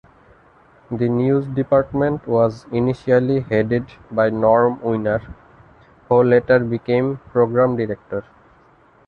The news department was initially headed by Norm Winer, who later became program director.